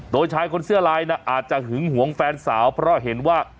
โดยชายคนเสื้อลายอาจจะหึงหวงแฟนสาวเพราะเห็นว่า